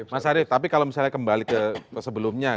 mas arief tapi kalau misalnya kembali ke sebelumnya